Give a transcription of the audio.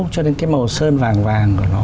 cho đến cái màu sơn vàng vàng của nó